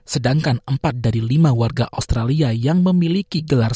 sedangkan empat dari lima warga australia yang memiliki gelar